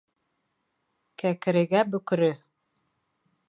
Кәкрегә бөкрө.